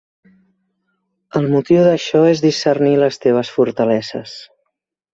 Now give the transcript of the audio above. El motiu d'això és discernir les teves fortaleses.